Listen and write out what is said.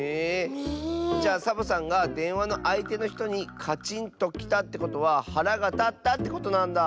じゃあサボさんがでんわのあいてのひとにカチンときたってことははらがたったってことなんだ。